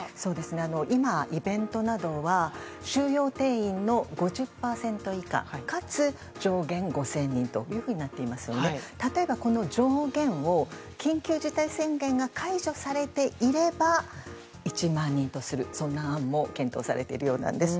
今、イベントなどは収容定員の５０％以下かつ上限５０００人となっていますので例えば、この上限を緊急事態宣言が解除されていれば１万人とするという案も検討されているようなんです。